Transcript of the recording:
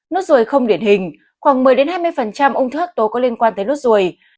nốt ruồi không điển hình khoảng một mươi hai mươi ung thư hạc tố có liên quan tới nốt ruồi